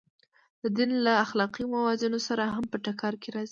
د دین له اخلاقي موازینو سره هم په ټکر کې راځي.